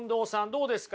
どうですか？